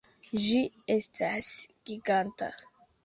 Ĝi estas giganta!